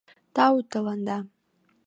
Тау тыланда!